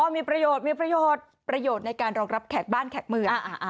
มีประโยชน์ประโยชน์ในการรองรับแขกบ้านแขกเมือง